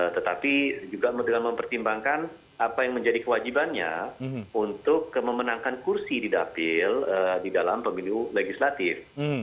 tetapi juga dengan mempertimbangkan apa yang menjadi kewajibannya untuk memenangkan kursi di dapil di dalam pemilu legislatif